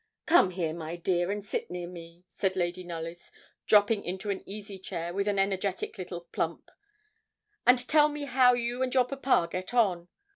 'Come here, my dear, and sit near me,' said Lady Knollys, dropping into an easy chair with an energetic little plump, 'and tell me how you and your papa get on.